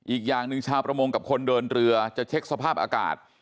อีกอย่างหนึ่งชาวประมงกับคนเดินเรือจะเช็คสภาพอากาศ